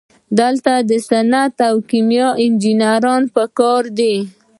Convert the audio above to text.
دلته صنعتي او کیمیاوي انجینران پکار دي.